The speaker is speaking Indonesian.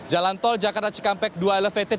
jalan tol jakarta cikampek dua elevated